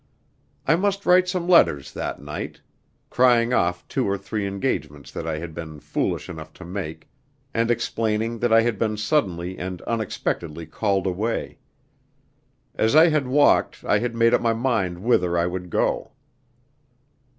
I must write some letters that night, crying off two or three engagements that I had been foolish enough to make, and explaining that I had been suddenly and unexpectedly called away. As I had walked I had made up my mind whither I would go.